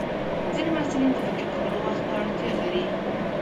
ځینې محصلین د فکر کولو وخت ته اړتیا لري.